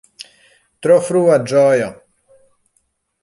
Tro frua ĝojo!